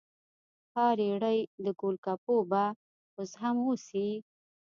ها ریړۍ د ګول ګپو به اوس هم اوسي؟